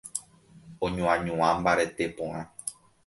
oñoañuã mbarete porã